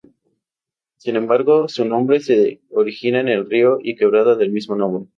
Sin embargo, su nombre se origina en el río y quebrada del mismo nombre.